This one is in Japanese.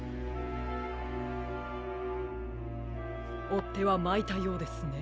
おってはまいたようですね。